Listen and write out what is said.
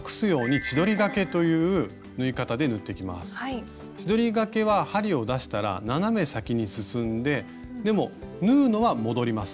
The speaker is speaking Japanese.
千鳥がけは針を出したら斜め先に進んででも縫うのは戻ります。